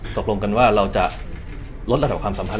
ตกลงกันว่าเราจะลดระดับความสัมพันธ